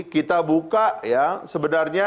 kita buka sebenarnya